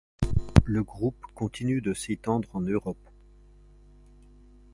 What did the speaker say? Le groupe continue de s'étendre en Europe.